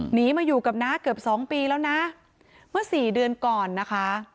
หนีมาอยู่กับน้าเกือบสองปีแล้วนะเมื่อสี่เดือนก่อนนะคะ